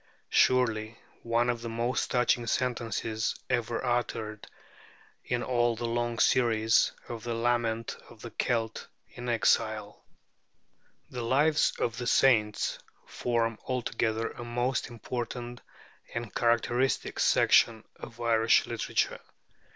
'" Surely one of the most touching sentences ever uttered in all the long series of the lament of the Celt in exile! The Lives of the Saints form altogether a most important and characteristic section of Irish literature.